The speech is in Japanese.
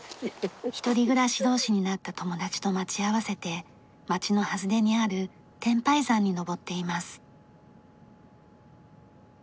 １人暮らし同士になった友達と待ち合わせて町の外れにある天拝山に登っています。